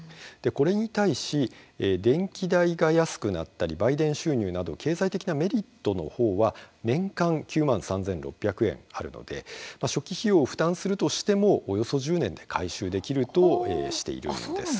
これに対し電気代が安くなったり売電収入など経済的なメリットの方は年間９万３６００円あるので初期費用を負担するとしてもおよそ１０年で回収できるとしているんです。